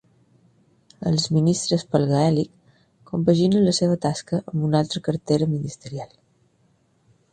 Els ministres pel gaèlic compaginen la seva tasca amb una altra cartera ministerial.